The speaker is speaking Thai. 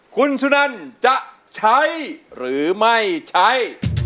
คุณสุนันจะใช้หรือไม่ใช้